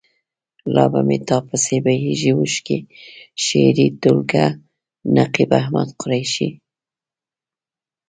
لا به مې تا پسې بهیږي اوښکې. شعري ټولګه. نقيب احمد قریشي.